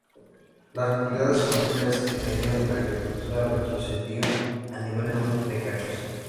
Las actividades económicas decayeron y la agricultura retrocedió a niveles muy precarios.